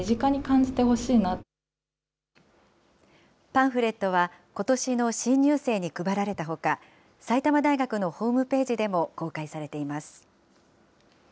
パンフレットはことしの新入生に配られたほか、埼玉大学のホームページでも公開されています。